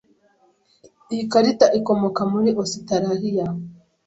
Iyi karita ikomoka muri Ositaraliya.